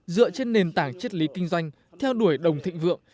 dựa trên nền tảng chất lý kinh doanh theo đuổi đồng thịnh vượng